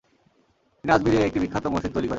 তিনি আজমিরে একটি বিখ্যাত মসজিদ তৈরি করেন।